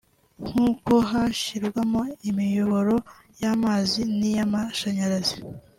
nk’uko hashyirwamo imiyoboro y’amazi niy’amashanyarazi